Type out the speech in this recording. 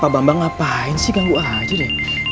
pak bambang ngapain sih ganggu aja deh